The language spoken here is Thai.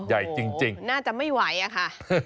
อ๋อใหญ่จริงโอ้โฮน่าจะไม่ไหวอะค่ะ